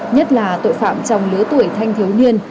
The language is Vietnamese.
nhất là tội phạm trong lứa tuổi thanh thiếu niên